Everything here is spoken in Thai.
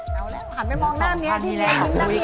เอาล่ะขับไปมองหน้านี้สิลิน